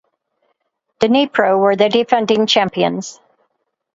Dnipro were the defending champions.